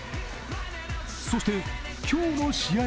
そして今日の試合